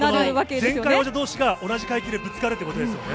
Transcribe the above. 前回王者どうしが、同じ階級でぶつかるということですもんね。